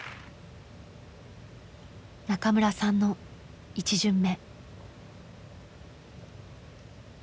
中村さんの１巡目。